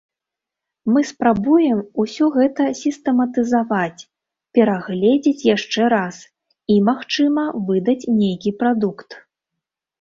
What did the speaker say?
Мы спрабуем усё гэта сістэматызаваць, перагледзець яшчэ раз, і, магчыма, выдаць нейкі прадукт.